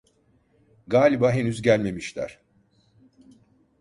Galiba henüz gelmemişler!